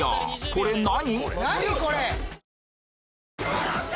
これ何？